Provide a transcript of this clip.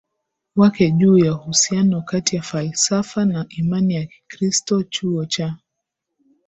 wake juu ya uhusiano kati ya falsafa na imani ya Kikristo Chuo cha